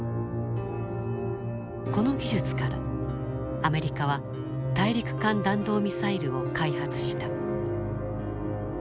この技術からアメリカは大陸間弾道ミサイルを開発した。